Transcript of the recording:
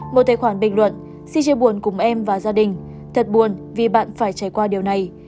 một tài khoản bình luận xin chia buồn cùng em và gia đình thật buồn vì bạn phải trải qua điều này